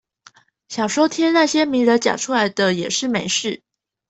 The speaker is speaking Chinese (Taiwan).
想說貼那些名人講出來的也是沒事